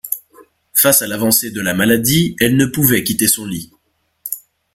Face à l'avancée de la maladie, elle ne pouvait quitter son lit.